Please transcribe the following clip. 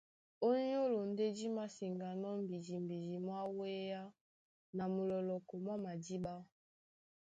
Ó nyólo ndé dí māseŋganɔ́ mbidimbidi mwá wéá na mulɔlɔkɔ mwá madíɓá.